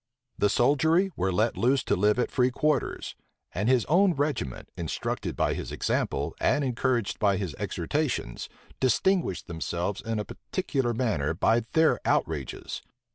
The soldiery were let loose to live at free quarters; and his own regiment, instructed by his example, and encouraged by his exhortations, distinguished themselves in a particular manner by their outrages.